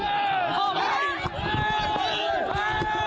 พระบุว่าจะมารับคนให้เดินทางเข้าไปในวัดพระธรรมกาลนะคะ